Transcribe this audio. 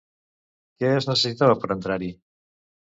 Què es necessitava per entrar-hi?